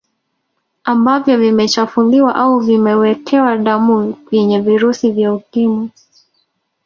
Ambavyo vimechafuliwa au vimewekewa damu yenye virusi vya Ukimwi